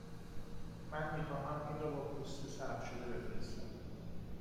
من می خواهم این را با پست ثبت شده بفرستم.